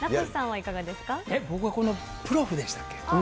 はいか僕はこのプロフでしたっけ？